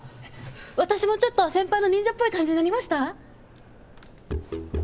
私もちょっとは先輩の忍者っぽい感じになりました？